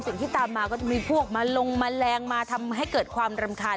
สิ่งที่ตามมาก็มีพวกมาลงแมลงมาทำให้เกิดความรำคาญ